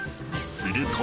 すると。